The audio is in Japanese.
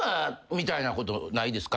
みたいなことないですか？